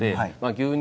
牛乳